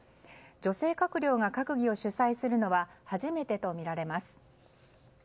女性閣僚が閣議を主宰するのは初めてとみられます。